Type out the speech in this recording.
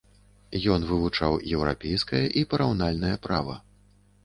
Ён вывучаў еўрапейскае і параўнальнае права.